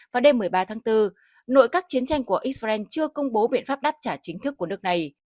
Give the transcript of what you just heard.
vào đêm một mươi ba tháng bốn nội các chiến tranh của israel chưa công bố biện pháp đáp trả chính thức của nước này